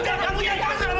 tapi kamu malah menipu aku